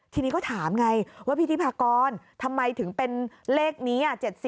ทีนี้ก็ถามไงว่าพี่ทิพากรทำไมถึงเป็นเลขนี้๗๔